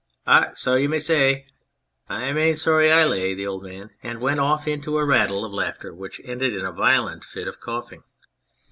" Ar, so you may zay ! Main sorry I lay," said the old man, and went off into a rattle of laughter which ended in a violent fit of coughing.